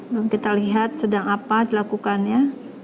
yang kita lihat sedang apa dilakukannya